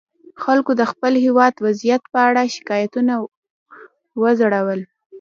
خلکو د خپل هېواد وضعیت په اړه شکایتونه وځړول.